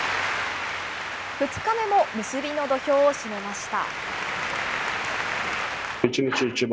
２日目も結びの土俵を締めました。